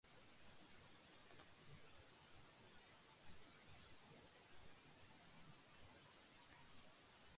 اسلام کی دشمنی اورمسلمانوں کی ایذارسانی میں عمائد قریش کی طرح یہ بھی پیش پیش تھے